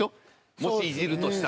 もしイジるとしたら。